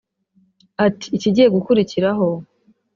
Ati “ikigiye gukurikiraho